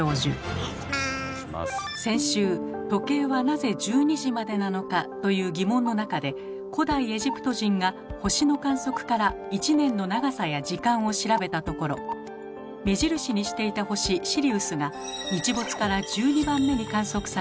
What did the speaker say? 先週「時計はなぜ１２時までなのか？」という疑問の中で古代エジプト人が星の観測から１年の長さや時間を調べたところ目印にしていた星シリウスが日没から１２番目に観測され